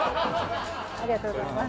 ありがとうございます。